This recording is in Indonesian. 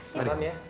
selamat malam ya